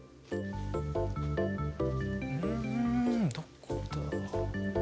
うんどこだ？